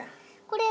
これ！」